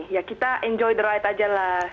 ya kita enjoy the right aja lah